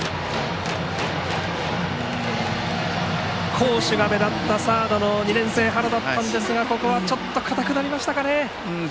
好守が目立った２年生サードの原だったんですがここはちょっと硬くなりましたかね。